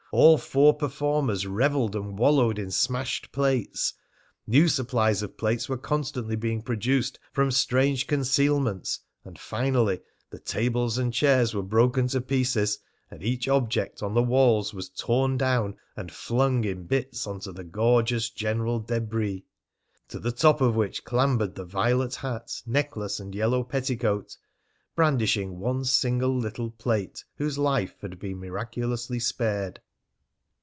All four performers revelled and wallowed in smashed plates. New supplies of plates were constantly being produced from strange concealments, and finally the tables and chairs were broken to pieces, and each object on the walls was torn down and flung in bits on to the gorgeous general debris, to the top of which clambered the violet hat, necklace, and yellow petticoat, brandishing one single little plate, whose life had been miraculously spared.